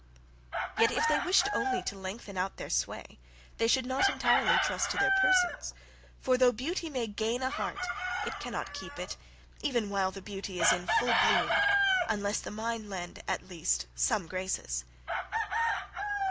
Yet, if they only wished to lengthen out their sway, they should not entirely trust to their persons, for though beauty may gain a heart, it cannot keep it, even while the beauty is in full bloom, unless the mind lend, at least, some graces.